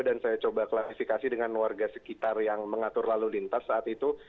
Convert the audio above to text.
saya coba klarifikasi dengan warga sekitar yang mengatur lalu lintas saat itu